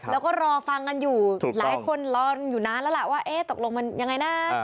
แล้วก็รอฟังกันอยู่หลายคนรออยู่นานแล้วล่ะว่าเอ๊ะตกลงมันยังไงนะ